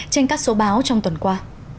trên các số báo trong tuần qua